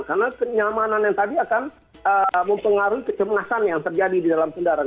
karena kenyamanan yang tadi akan mempengaruhi kecemasan yang terjadi di dalam kendaraan